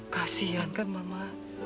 kasian kan mama